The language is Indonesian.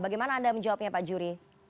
bagaimana anda menjawabnya pak juri